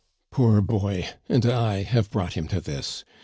Poor boy, and I have brought him to this!